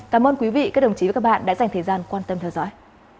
cảm ơn quý vị và các đồng chí đã dành thời gian quan tâm theo dõi